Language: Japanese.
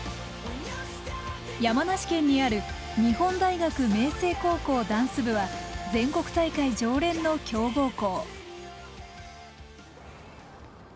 山梨県にある日本大学明誠高校ダンス部は全国大会常連の強豪校。